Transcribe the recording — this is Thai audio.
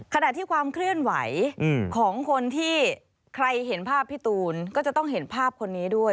ขณะที่ความเคลื่อนไหวของคนที่ใครเห็นภาพพี่ตูนก็จะต้องเห็นภาพคนนี้ด้วย